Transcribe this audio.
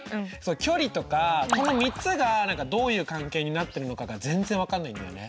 「距離」とかこの３つが何かどういう関係になってるのかが全然分かんないんだよね。